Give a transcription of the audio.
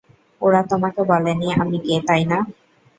ওরা তোমাকে বলেনি আমি কে, তাই না?